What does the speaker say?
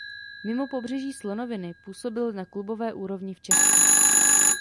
Mimo Pobřeží slonoviny působil na klubové úrovni v Česku.